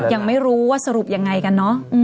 ยังไม่รู้ว่าสรุปยังไงกันเนอะ